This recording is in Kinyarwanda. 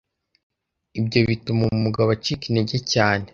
Ibyo bituma umugabo acika intege cyane